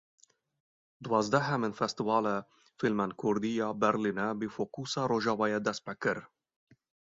Duwazdehemîn Festîvala Fîlmên kurdî ya Berlînê bi fokusa Rojava dest pê kir.